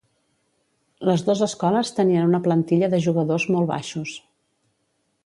Les dos escoles tenien una plantilla de jugadors molt baixos.